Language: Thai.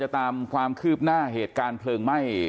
ตามความคืบหน้าเหตุการณ์เพลิงไหม้